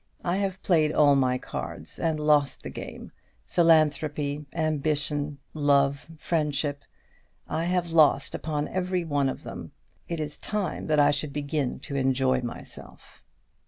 I have played all my cards, and lost the game. Philanthropy, ambition, love, friendship I have lost upon every one of them. It is time that I should begin to enjoy myself."